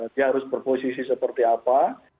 dia harus berposisi seperti apa